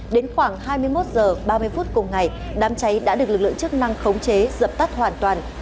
đến khoảng hai mươi một h ba mươi phút cùng ngày đám cháy đã được lực lượng chức năng khống chế dập tắt hoàn toàn